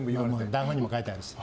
台本にも書いてありました。